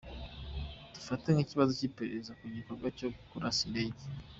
Dufate nk’ikibazo cy’iperereza ku gikorwa cyo kurasa indege.